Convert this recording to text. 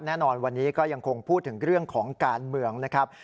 แน่นอนวันนี้ก็ยังคงพูดถึงเรื่องของการเมืองนะครับ